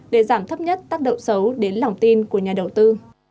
để giảm thấp nhất tác động xấu đến lòng tin của nhà đầu tư